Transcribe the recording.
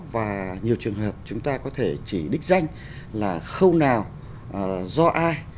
và nhiều trường hợp chúng ta có thể chỉ đích danh là khâu nào do ai